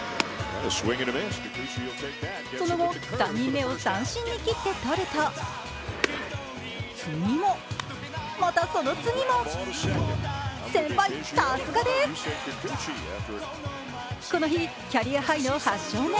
その後、３人目を三振に切って取ると、次も、またその次も先輩、さすがです。この日、キャリアハイの８勝目。